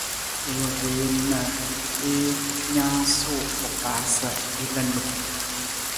I wii na i naasuu kpakpaa sa i la nim.